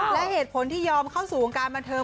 และเหตุผลที่ยอมเข้าสู่วงการบันเทิง